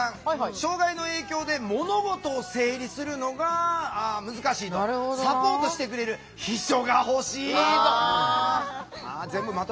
「障害の影響で物事を整理するのが難しいサポートしてくれる秘書がほしい」と。